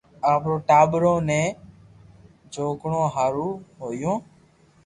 آپري ٽاٻرو ني جوگھڻو ھآرون ھويو